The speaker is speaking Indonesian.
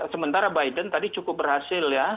sementara biden tadi cukup berhasil ya